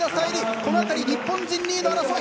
この辺り日本人２位の争い